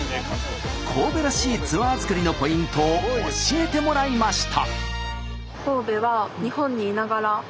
神戸らしいツアー作りのポイントを教えてもらいました。